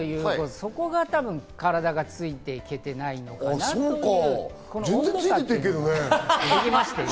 そこが多分、体がついて行けてないのかなっていう。